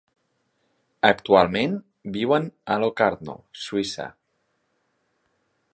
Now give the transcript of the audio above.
Actualment viuen a Locarno, Suïssa.